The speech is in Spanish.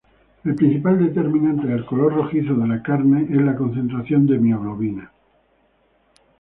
El principal determinante del color rojizo de la carne es la concentración de mioglobina.